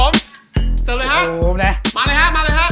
มาเลยครับ